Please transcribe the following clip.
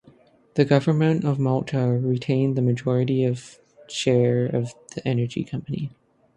The Government of Malta retained the majority of share of the energy company.